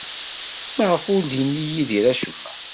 Maɣef ur d-yenni Yidir acemma?